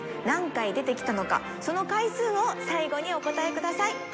何回出てきたのかその回数を最後にお答えください。